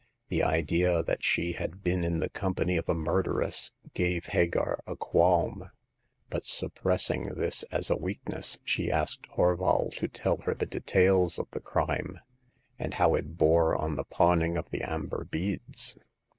The idea that she had been in the company of a murderess gave Hagar a qualm ; but, suppressing this as a weakness, she asked Horval to tell her the details of the crime and how it bore on the pawning of the amber beads.